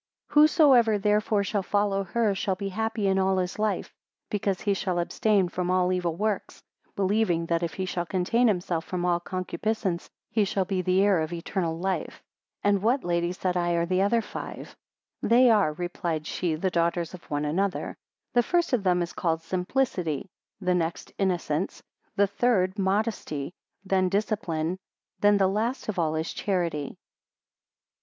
86 Whosoever therefore shall follow her shall be happy in all his life, because he shall abstain from all evil works, believing that if he shall contain himself from all concupiscence, he shall be the heir of eternal life. And what, lady, said I, are the other five? 87 They are, replied she, the daughters of one another. The first of them is called Simplicity; the next Innocence; the third Modesty; then Discipline; and the last of all is Charity.